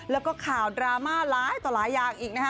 แล้วก็ข่าวดราม่าหลายต่อหลายอย่างอีกนะคะ